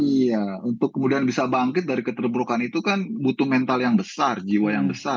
iya untuk kemudian bisa bangkit dari keterburukan itu kan butuh mental yang besar jiwa yang besar